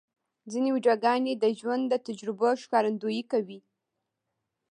ځینې ویډیوګانې د ژوند د تجربو ښکارندویي کوي.